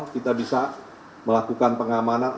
kita bisa melakukan pengamanan